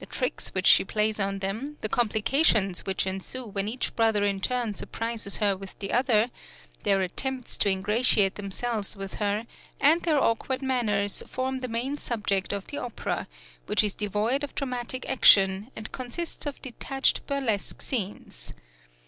The tricks which she plays on them, the Complications which ensue when each brother in turn surprises her with the other, their attempts to ingratiate themselves with her, and their awkward manners form the main subject of the opera, which is devoid of dramatic action, and consists of detached burlesque scenes.